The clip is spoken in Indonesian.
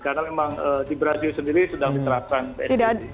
karena memang di brazil sendiri sudah diterapkan